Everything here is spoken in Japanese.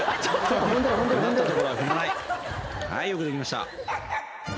はいよくできました。